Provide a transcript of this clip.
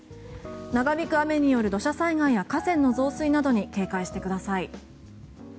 長引く雨による土砂災害や河川の増水などに警戒してください。